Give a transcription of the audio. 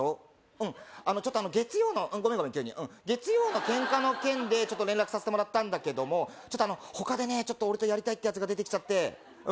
うんあのちょっと月曜のゴメンゴメン急に月曜のケンカの件でちょっと連絡させてもらったんだけどもちょっとあの他でねちょっと俺とやりたいってヤツが出てきちゃって